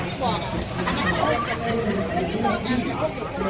อัศวินิสัมภาษาอัศวินิสัมภาษา